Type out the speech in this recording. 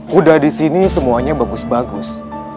kuda di sini semuanya bagus bagus